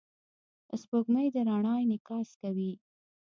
سپوږمۍ د رڼا انعکاس کوي.